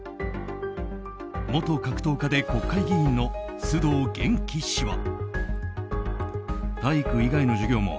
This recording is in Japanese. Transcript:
元格闘家で国会議員の須藤元気氏は。